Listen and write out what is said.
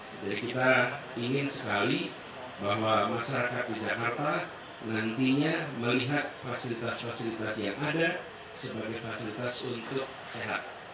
jadi kita ingin sekali bahwa masyarakat di jakarta nantinya melihat fasilitas fasilitas yang ada sebagai fasilitas untuk sehat